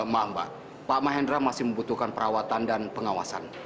maaf mbak pak mahendra masih membutuhkan perawatan dan pengawasan